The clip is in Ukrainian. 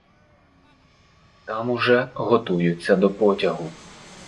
Там уже готуються до потягу.